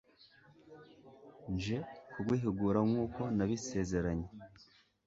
nje kuguhigura nk’uko nabisezeranye